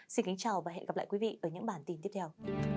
xin kính chào và hẹn gặp lại quý vị ở những bản tin tiếp theo